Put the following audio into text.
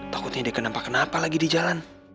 takutnya dia kenapa kenapa lagi di jalan